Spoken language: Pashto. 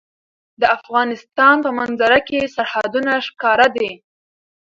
د افغانستان په منظره کې سرحدونه ښکاره ده.